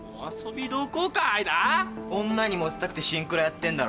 女にモテたくてシンクロやってんだろ？